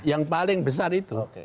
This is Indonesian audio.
yang paling besar itu